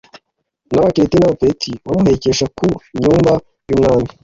n’Abakereti n’Abapeleti bamuhekesha ku nyumbu y’umwami.